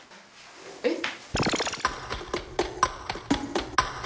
えっ？